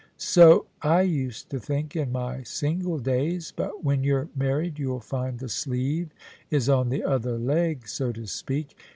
" So I used to think in my single days : but when you're married, you'll find the sleeve is on the other leg, so to speak.